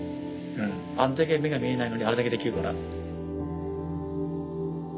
あんだけ目が見えないのにあれだけできるから。